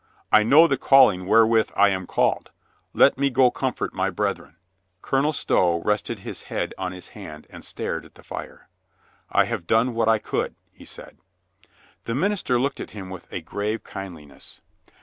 I know the calling where with I am called. Let me go comfort my brethren." Colonel Stow rested his head on his hand and stared at the fire. "I have done what I could," he said. The minister looked at him with a grave kindli ness.